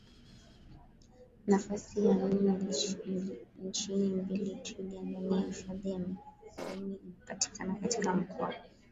nafasi ya nne nchinimbiliTwiga ndani ya Hifadhi ya MikumiInapatikana katika Mkoa